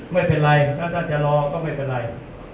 มันเป็นอะไรถ้าจะรอก็ไม่เป็นเลย